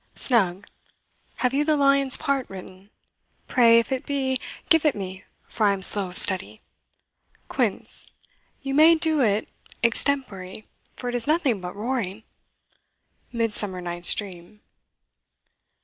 SNUG. Have you the lion's part written? pray, if it be, give it me, for I am slow of study. QUINCE. You may do it extempore, for it is nothing but roaring. MIDSUMMER NIGHT'S DREAM.